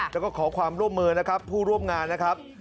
แล้วก็ขอความร่วมมือโซงอาหารนะครับ